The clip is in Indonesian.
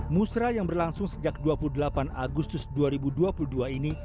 musrah yang berlangsung sejak dua puluh delapan agustus dua ribu dua puluh dua ini